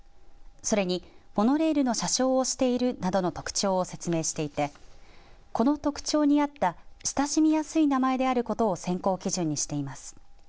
それにモノレールの車掌をしているなどの特徴を説明していてこの特徴に合った親しみやすい名前であることを選考基準にしています。